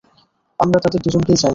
আমরা তাদের দুজনকেই চাই।